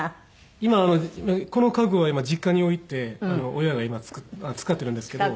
今この家具は今実家に置いて親が今使ってるんですけど。